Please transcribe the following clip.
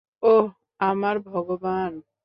ওহ, আমার ভগবান!